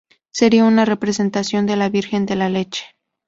Sería una representación de la Virgen de la leche.